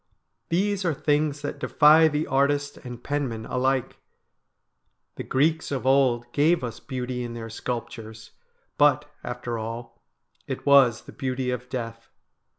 These are things that defy the artist and penman alike. The Greeks of old gave us beauty in their sculptures, but, after all, it was the beauty of death.